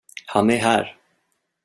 Han är här.